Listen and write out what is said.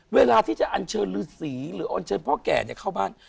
เวลาที่จะอัญเชิญฤทธิ์ศรีหรืออัญเชิญพ่อแก่เนี่ยเข้าบ้าน